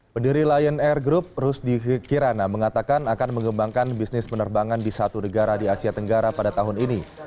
pendiri lion air group rusdi kirana mengatakan akan mengembangkan bisnis penerbangan di satu negara di asia tenggara pada tahun ini